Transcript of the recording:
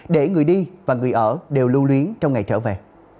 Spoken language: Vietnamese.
để người đi và người ở đều lưu luyến trong ngày trở về